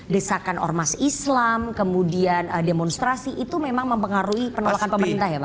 desakan ormas islam kemudian demonstrasi itu memang mempengaruhi penolakan pemerintah ya pak